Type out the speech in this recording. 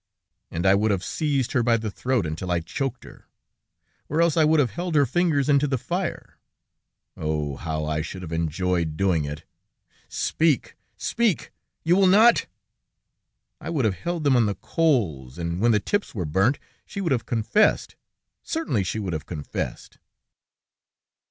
And I would have seized her by the throat until I choked her.... Or else I would have held her fingers into the fire. ...Oh! how I should have enjoyed doing it! ...Speak!...Speak!...You will not? I would have held them on the coals, and when the tips were burnt, she would have confessed... certainly she would have confessed!"